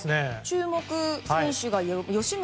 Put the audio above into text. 注目選手が吉村